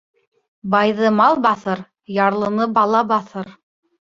Байҙы мал баҫыр, ярлыны бала баҫыр.